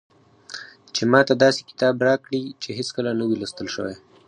چې ماته داسې کتاب راکړي چې هېڅکله نه وي لوستل شوی.